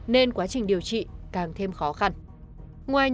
nên quá trình điều trị càng thêm khó khăn